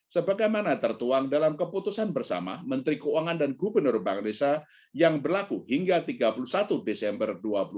sebagaimana tertuang dalam keputusan bersama menteri keuangan dan gubernur bank desa yang berlaku hingga tiga puluh satu desember dua ribu dua puluh